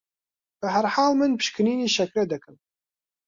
بە هەرحاڵ من پشکنینی شەکرە دەکەم